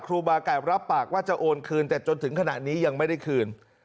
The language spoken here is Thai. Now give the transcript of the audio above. ครูบาไก่รับปากว่าจะโอนคืนแต่จนถึงขณะนี้ยังไม่ได้คืน